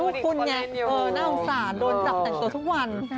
คุณไงน่าสงสารโดนจับแต่งตัวทุกวัน